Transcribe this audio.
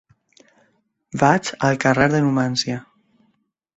Vaig al carrer de Numància.